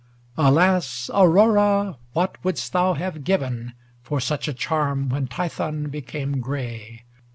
LXVII Alas, Aurora ! what wouldst thou have given For such a charm, when Tithon became gray